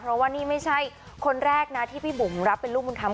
เพราะว่านี่ไม่ใช่คนแรกนะที่พี่บุ๋มรับเป็นลูกบุญธรรม